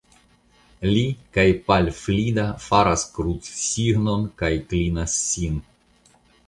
Li kaj Pal Flida faras krucsignon kaj klinas sin.